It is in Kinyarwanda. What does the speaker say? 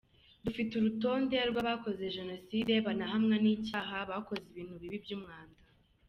Dufite urutonde rw’abakoze Jenoside banahamwa n’icyaha, bakoze ibintu bibi by’umwanda.